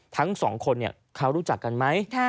ทั้งสองคนเขารู้จักกันไหม